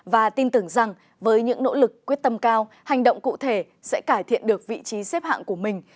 và tin tưởng rằng với những nỗ lực quyết tâm cao hành động cụ thể sẽ cải thiện được vị trí xếp hạng của mình